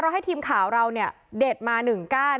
ให้ทีมข่าวเราเนี่ยเด็ดมา๑ก้าน